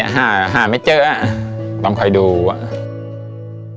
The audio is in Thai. ห้ามือยัง่ายไม่เจ้อ